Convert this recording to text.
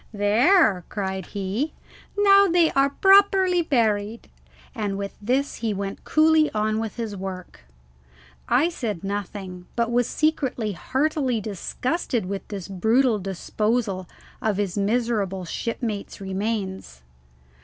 "There!" cried he; "now they are properly buried." And with this he went coolly on with his work. I said nothing, but was secretly heartily disgusted with this brutal disposal of his miserable shipmates' remains.